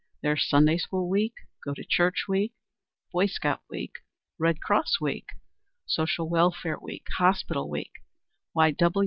There is Sunday School week, Go to Church week, Boy Scout week, Red Cross week, Social Welfare week, Hospital week, Y.